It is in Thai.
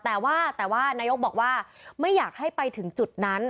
แต่ว่าแต่ว่านายกบอกว่าไม่อยากให้ไปถึงจุดนั้น